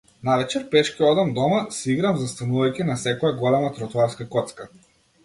Навечер пешки одам дома, си играм застанувајќи на секоја голема тротоарска коцка.